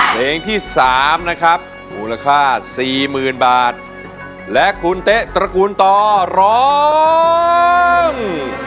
เพลงที่๓นะครับมูลค่า๔๐๐๐๐บาทและคุณเตะตระกูลตอร้อง